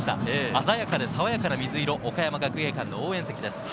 鮮やかで爽やかな水色の岡山学芸館の応援席です。